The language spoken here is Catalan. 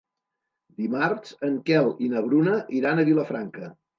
Dimarts en Quel i na Bruna iran a Vilafranca.